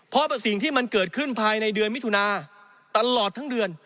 เพราะสิ่งที่มันเกิดขึ้นภายในเดือนมิถุนาตลอดทั้งเดือน